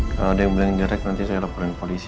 kalau ada yang bilang jerek nanti saya laporin polisi